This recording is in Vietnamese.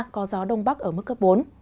có gió đông bắc ở mức cấp bốn